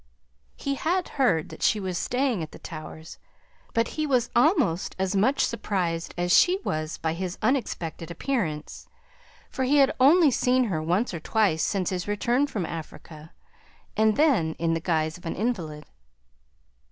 He had heard that she was staying at the Towers, but he was almost as much surprised by hers, as she was by his unexpected appearance, for he had only seen her once or twice since his return from Africa, and then in the guise of an invalid.